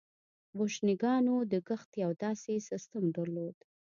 بوشنګانو د کښت یو داسې سیستم درلود